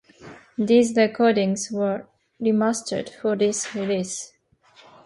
These recordings were remastered for this release.